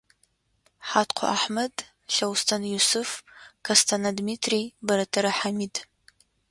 Хьаткъо Ахьмэд, Лъэустэн Юсыф, Кэстэнэ Дмитрий, Бэрэтэрэ Хьамид.